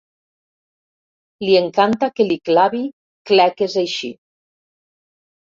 Li encanta que li clavi cleques així.